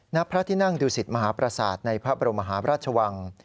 ณพระที่นั่งดูสิตมหาประสาทในพระบรมหาราชวัง